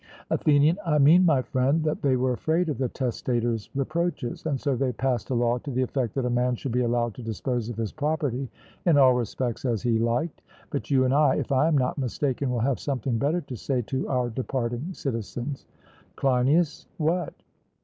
ATHENIAN: I mean, my friend, that they were afraid of the testator's reproaches, and so they passed a law to the effect that a man should be allowed to dispose of his property in all respects as he liked; but you and I, if I am not mistaken, will have something better to say to our departing citizens. CLEINIAS: What?